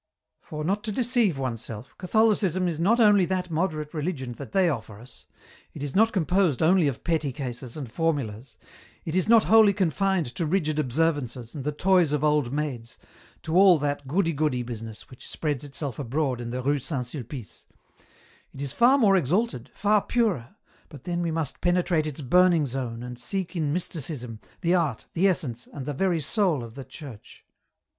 " For, not to deceive oneself, Catholicism is not only that moderate religion that they ofler us ; it is not composed only of petty cases and formulas ; it is not wholly confined to rigid observances, and the toys of old maids, to all that goody goody business, which spreads itself abroad in the Rue Saint Sulpice ; it is far more exalted, far purer, but then we must penetrate its burning zone, and seek in Mysticism, the art, the essence, and the very soul of the Church.